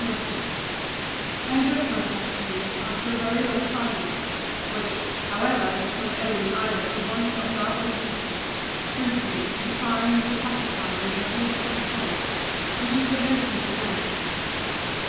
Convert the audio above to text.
NORTON, I address myself to you, after a very long silence, (which, however, was not owing either to want of love or duty,) principally to desire you to satisfy me in two or three points, which it behoves me to know.